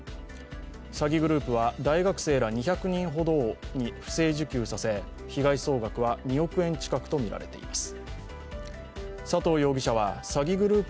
詐欺グループは大学生ら２００人ほどに不正受給させ被害総額は２億円近くとみられています。